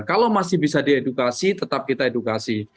kalau masih bisa diedukasi tetap kita edukasi